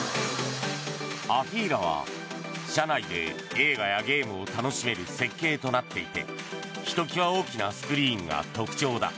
ＡＦＥＥＬＡは車内で映画やゲームを楽しめる設計となっていてひときわ大きなスクリーンが特徴だ。